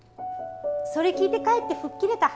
それ聞いてかえって吹っ切れた。